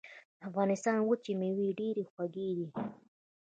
د افغانستان وچې مېوې ډېرې خوږې دي.